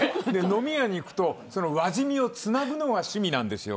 飲み屋に行くと輪染みをつなぐのが趣味なんです。